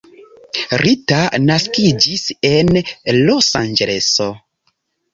Rita naskiĝis en Losanĝeleso.